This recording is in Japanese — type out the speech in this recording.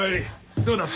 どうだった？